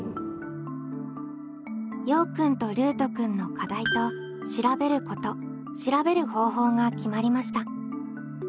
ようくんとルートくんの「課題」と「調べること」「調べる方法」が決まりました。